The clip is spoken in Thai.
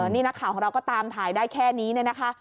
นี่นักข่าวของเราก็ตามถ่ายได้แค่นี้เนี่ยนะคะ